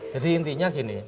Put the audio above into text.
jadi intinya gini